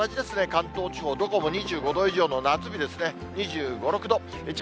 関東地方、どこも２５度以上の夏日ですね。